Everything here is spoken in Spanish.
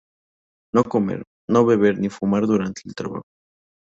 No comer, beber ni fumar durante el trabajo.